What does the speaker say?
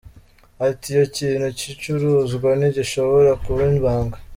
Ati “Iyo ikintu gicuruzwa ntigishobora kuba ibanga.